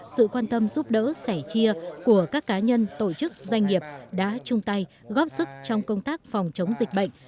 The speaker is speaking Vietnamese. sự quan tâm giúp đỡ sẻ chia của các cá nhân tổ chức doanh nghiệp đã chung tay góp sức trong công tác phòng chống dịch bệnh